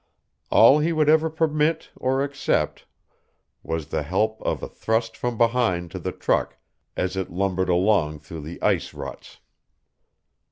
All he would ever permit or accept was the help of a thrust from behind to the truck as it lumbered along through the ice ruts.